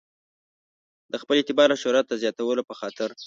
د خپل اعتبار او شهرت د زیاتولو په خاطر.